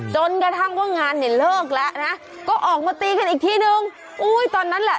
จนกระทั่งว่างานเนี่ยเลิกแล้วนะก็ออกมาตีกันอีกทีนึงอุ้ยตอนนั้นแหละ